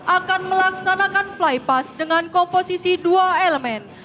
akan melaksanakan flypass dengan komposisi dua elemen